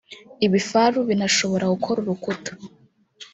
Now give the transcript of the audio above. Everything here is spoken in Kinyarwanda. Ibifaru binashobora gukora urukuta